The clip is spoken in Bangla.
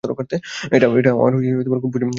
এটা আমার খুব পছন্দের একটা ছবি!